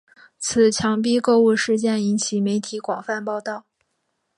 此强逼购物事件引起媒体广泛报道。